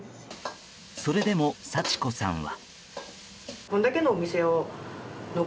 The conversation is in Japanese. それでも幸子さんは。